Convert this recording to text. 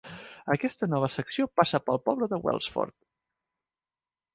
Aquesta nova secció passa pel poble de Welsford.